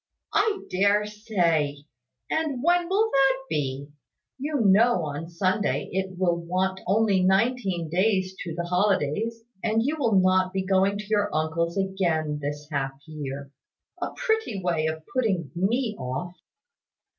"I dare say! And when will that be? You know on Sunday it will want only nineteen days to the holidays; and you will not be going to your uncle's again this half year. A pretty way of putting me off!"